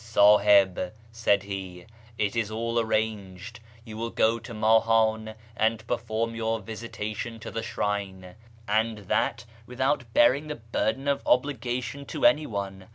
" Sdhib," said he, " it is all arranged : you will go to INIahan and perform your visitation to the shrine, and that without bearing the burden of obligation to any one.